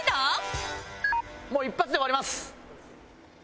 もう一発で終わります。